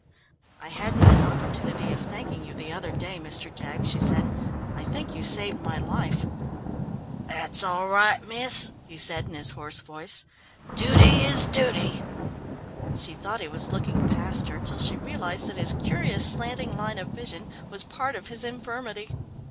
"I hadn't an opportunity of thanking you the other day, Mr. Jaggs," she said. "I think you saved my life." "That's all right, miss," he said, in his hoarse voice. "Dooty is dooty!" She thought he was looking past her, till she realised that his curious slanting line of vision was part of his infirmity.